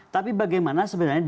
tapi bagaimana sebenarnya